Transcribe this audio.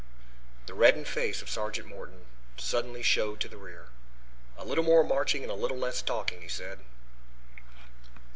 The reddened face of Sergeant Morton suddenly showed to the rear. "A little more marching and less talking," he said.